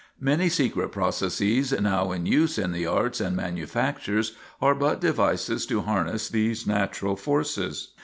Many secret processes now in use in the arts and manufactures are but devices to harness these natural forces.